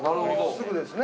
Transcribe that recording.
すぐですね？